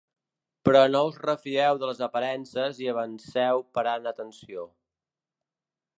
Però no us refieu de les aparences i avanceu parant atenció.